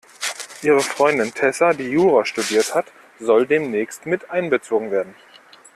Ihre Freundin Tessa, die Jura studiert hat, soll demnächst miteinbezogen werden.